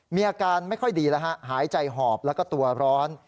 มีอาการไม่ค่อยดีแล้วฮะหายใจหอบแล้วก็ตัวร้อน